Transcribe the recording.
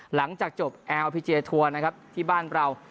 หลังจากจบแอลอพีเจทัวร์นะครับที่บ้านเรา